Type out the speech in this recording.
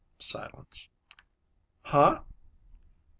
Silence. "Huh?"